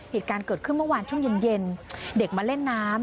เหตุการณ์เกิดขึ้นเมื่อวานช่วงเย็นเด็กมาเล่นน้ำ